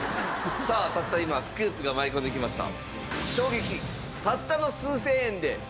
さあたった今スクープが舞い込んできました。